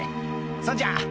そんじゃ」